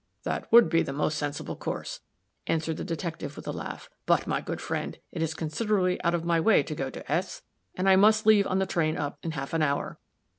"That would be the most sensible course," answered the detective, with a laugh. "But, my good friend, it is considerably out of my way to go to S ; and I must leave on the train up, in half an hour.